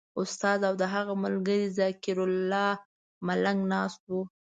استاد او د هغه ملګری ذکرالله ملنګ ناست وو.